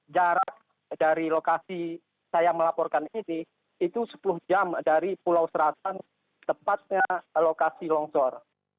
jarak dari lokasi saya melaporkan ini itu sepuluh jam dari pulau serasan tepatnya lokasi longsor